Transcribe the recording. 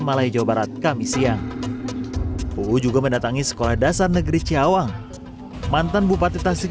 malai jawa barat kami siang uu juga mendatangi sekolah dasar negeri ciawang mantan bupati tasik